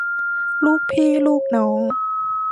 ลูกพี่ลูกน้อง